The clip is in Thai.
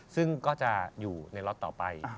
ซึ่งก็จะอยู่ในล็อตต่อไป